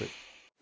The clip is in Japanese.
「何？」